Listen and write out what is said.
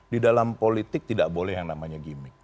di dalam politik tidak boleh yang namanya gimmick